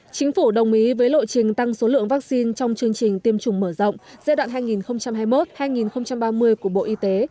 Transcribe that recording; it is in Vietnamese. chính phủ đồng ý với lộ trình tăng số lượng vaccine trong chương trình tiêm chủng mở rộng giai đoạn hai nghìn hai mươi một hai nghìn ba mươi của bộ y tế